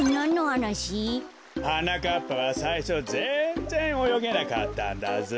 はなかっぱはさいしょぜんぜんおよげなかったんだぞ。